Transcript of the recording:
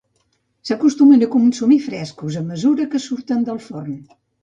S'acostumen a consumir frescos, a mesura que surten del forn.